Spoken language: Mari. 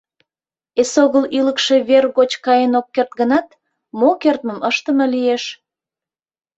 Эсогыл ӱлыкшӧ вер гоч каен ок керт гынат, мо кертмым ыштыме лиеш.